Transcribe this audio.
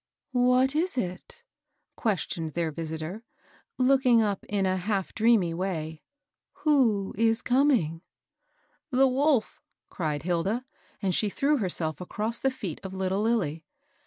What is it ?" questioned their visitor, looking up in half dreamy way. " Who is coming ?"*' The wolf 1 " cried Hilda ; and she threw her self across the feet of little Lilly.